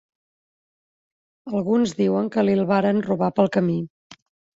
Alguns diuen que li'l varen robar pel camí.